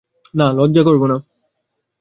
না, লজ্জা করব না।